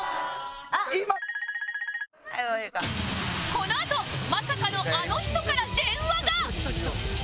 このあとまさかのあの人から電話が